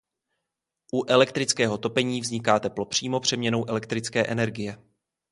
U elektrického topení vzniká teplo přímo přeměnou elektrické energie.